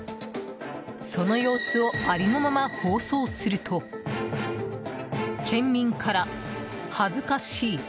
その様子をありのまま放送すると県民から恥ずかしい。